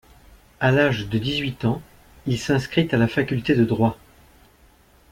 À l'âge de dix-huit ans, il s'inscrit à la faculté de droit.